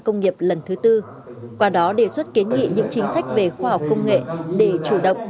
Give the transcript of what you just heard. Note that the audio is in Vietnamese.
công nghiệp lần thứ tư qua đó đề xuất kiến nghị những chính sách về khoa học công nghệ để chủ động